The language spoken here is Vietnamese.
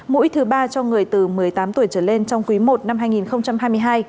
mũi thứ ba cho người từ một mươi tám tuổi trở lên trong quý i năm hai nghìn hai mươi hai